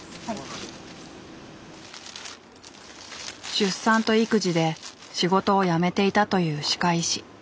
出産と育児で仕事を辞めていたという歯科医師。